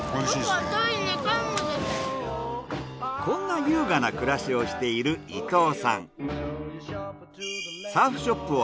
こんな優雅な暮らしをしている伊藤さん。